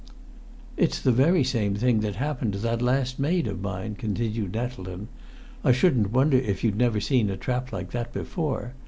"It's the very same thing that happened to that last maid of mine," continued Nettleton. "I shouldn't wonder if you'd never seen a trap like that before.